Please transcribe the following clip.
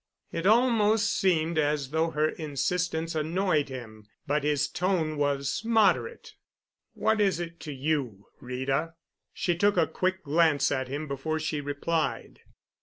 It almost seemed as though her insistence annoyed him, but his tone was moderate. "What is it to you, Rita?" She took a quick glance at him before she replied.